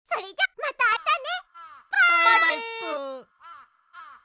またね。